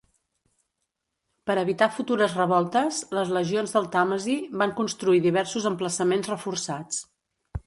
Per evitar futures revoltes, les legions del Tàmesi van construir diversos emplaçaments reforçats.